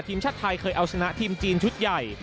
ทีมชาติไทยเคยเอาชนะทีมจีนชุดใหญ่